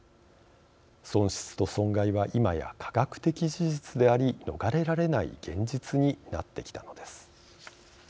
損失と損害は、今や科学的事実であり逃れられない現実になってきたのです。